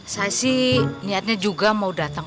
saya sih niatnya juga mau datang